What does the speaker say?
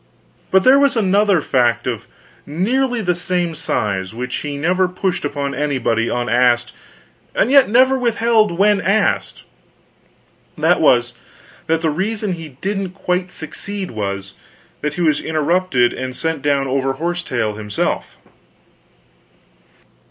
But there was another fact of nearly the same size, which he never pushed upon anybody unasked, and yet never withheld when asked: that was, that the reason he didn't quite succeed was, that he was interrupted and sent down over horse tail himself.